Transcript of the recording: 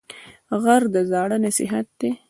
غږ د زاړه نصیحت دی